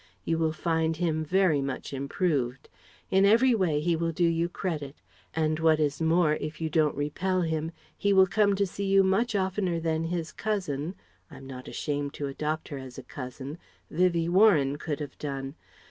You will find him very much improved. In every way he will do you credit. And what is more, if you don't repel him, he will come and see you much oftener than his cousin I'm not ashamed to adopt her as a cousin Vivie Warren could have done.